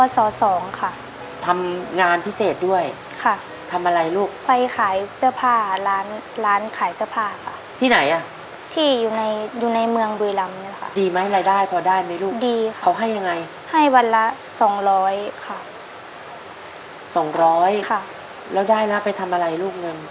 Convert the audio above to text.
สองร้อยค่ะแล้วได้แล้วไปทำอะไรลูกหนึ่ง